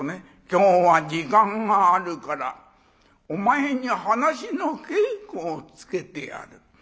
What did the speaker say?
「今日は時間があるからお前に噺の稽古をつけてやる。